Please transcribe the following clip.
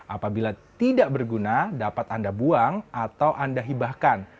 apabila tidak berguna dapat anda buang atau anda hibahkan